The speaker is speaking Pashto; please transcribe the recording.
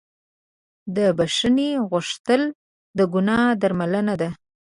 د بښنې غوښتل د ګناه درملنه ده.